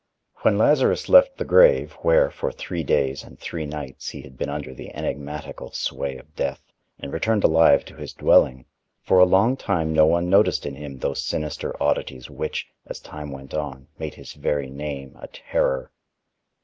I When Lazarus left the grave, where, for three days and three nights he had been under the enigmatical sway of death, and returned alive to his dwelling, for a long time no one noticed in him those sinister oddities, which, as time went on, made his very name a terror.